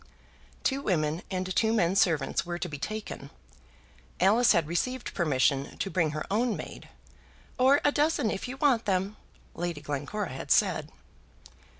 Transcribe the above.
Two women and two men servants were to be taken. Alice had received permission to bring her own maid "or a dozen, if you want them," Lady Glencora had said.